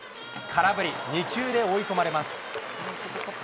空振り、２球で追い込まれます。